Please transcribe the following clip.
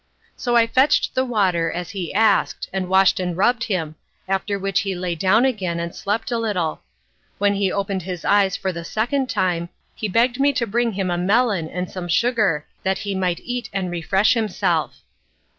So I fetched the water as he asked, and washed and rubbed him, after which he lay down again and slept a little. When he opened his eyes for the second time, he begged me to bring him a melon and some sugar, that he might eat and refresh himself.